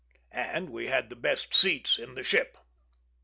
and we had the best seats in the ship.